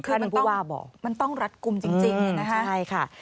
คือมันต้องรัดกลุ่มจริงนะฮะ